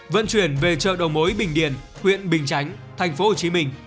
vận chuyển về chợ đầu mối bình điền huyện bình chánh thành phố hồ chí minh